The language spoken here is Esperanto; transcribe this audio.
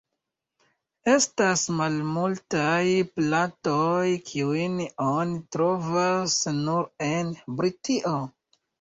Estas malmultaj plantoj kiujn oni trovas nur en Britio.